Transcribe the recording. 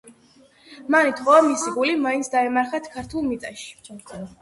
მან ითხოვა, მისი გული მაინც დაემარხათ ქართულ მიწაში.